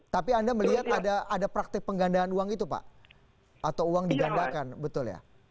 tapi anda melihat ada praktik penggandaan uang itu pak atau uang digandakan betul ya